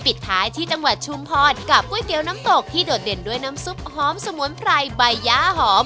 ปิดท้ายที่จังหวัดชุมพรกับก๋วยเตี๋ยวน้ำตกที่โดดเด่นด้วยน้ำซุปหอมสมุนไพรใบย้าหอม